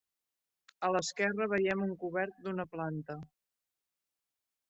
A l’esquerra veiem un cobert d’una planta.